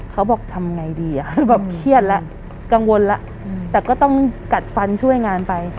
เขาบอกทำไงดีอ่ะคือแบบเครียดแล้วกังวลแล้วแต่ก็ต้องกัดฟันช่วยงานไป